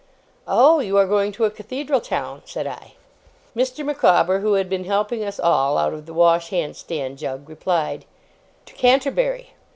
'Oh! You are going to a Cathedral town?' said I. Mr. Micawber, who had been helping us all, out of the wash hand stand jug, replied: 'To Canterbury.